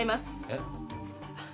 えっ？